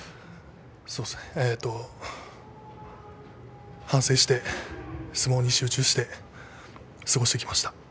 そうですね反省して相撲に集中して過ごしてきました。